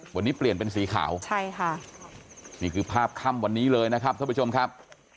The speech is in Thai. วันนี้เปลี่ยนเป็นสีขาวใช่ค่ะนี่คือภาพค่ำวันนี้เลยนะครับท่านผู้ชมครับ